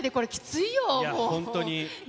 本当に。